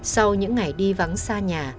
sau những ngày đi vắng xa nhà